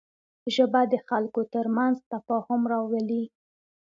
ژبه د خلکو تر منځ تفاهم راولي